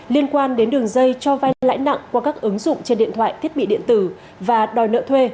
liên quan đến đường dây cho vay lãi nặng qua các ứng dụng trên điện thoại thiết bị điện tử và đòi nợ thuê